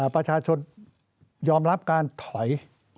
ประชาชนยอมรับการถอย